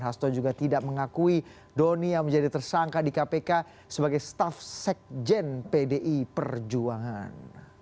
hasto juga tidak mengakui doni yang menjadi tersangka di kpk sebagai staff sekjen pdi perjuangan